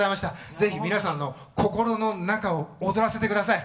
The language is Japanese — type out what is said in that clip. ぜひ皆さんの心の中を躍らせてください。